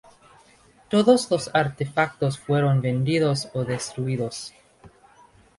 Todos los artefactos fueron vendidos o destruidos.